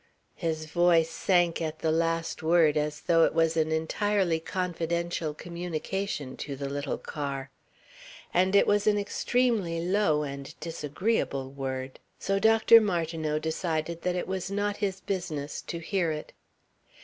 His voice sank at the last word as though it was an entirely confidential communication to the little car. And it was an extremely low and disagreeable word. So Dr. Martineau decided that it was not his business to hear it....